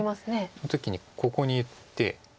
その時にここに打って。